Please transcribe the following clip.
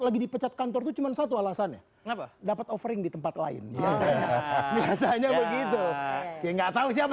lagi dipecat kantor cuma satu alasannya dapat offering di tempat lain ya nggak tahu siapa